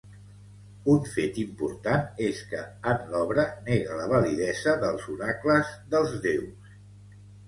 Un fet important és que en l’obra nega la validesa dels oracles dels déus.